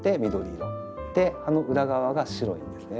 葉の裏側が白いんですね。